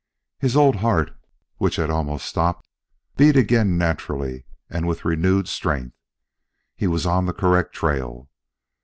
His old heart, which had almost stopped, beat again naturally and with renewed strength. He was on the correct trail.